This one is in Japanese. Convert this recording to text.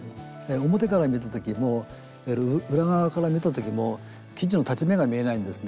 表から見た時も裏側から見た時も生地の裁ち目が見えないんですね。